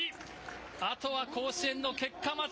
あとは甲子園の結果待ち。